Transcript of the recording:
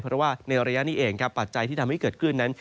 เพราะว่าในระยะนี้เองครับปัจจัยที่ทำให้เกิดขึ้นนั้น